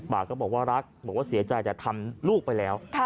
ป่าก็บอกว่ารักบอกว่าเสียใจแต่ทำลูกไปแล้ว